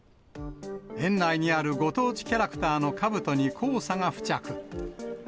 園内にあるご当地キャラクターのかぶとに黄砂が付着。